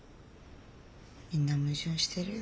みんな矛盾してるよ